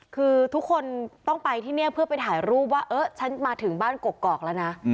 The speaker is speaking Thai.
คือทุกคนต้องไปที่นี่เพื่อไปถ่ายรูปว่าเออฉันมาถึงบ้านกกอกแล้วนะ